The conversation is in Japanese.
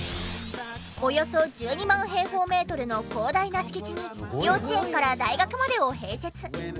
およそ１２万平方メートルの広大な敷地に幼稚園から大学までを併設。